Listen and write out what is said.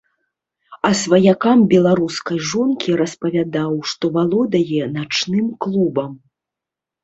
А сваякам беларускай жонкі распавядаў, што валодае начным клубам.